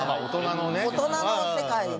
大人の世界に。